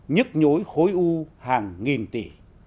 nhức nhối khối u hàng nghìn tỷ